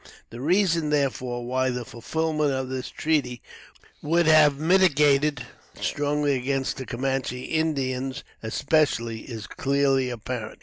The reason, therefore, why the fulfillment of this treaty would have militated strongly against the Camanche Indians especially, is clearly apparent.